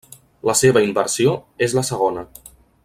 La seva inversió és la segona.